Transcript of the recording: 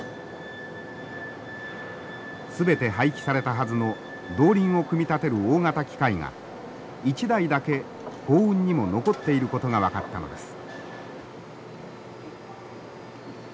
全て廃棄されたはずの動輪を組み立てる大型機械が１台だけ幸運にも残っていることが分かったのです。